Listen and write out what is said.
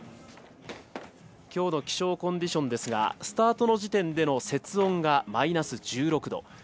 きょうの気象コンディションですがスタートの時点での雪温がマイナス１６度。